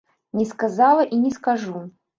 Не сказала і не скажу.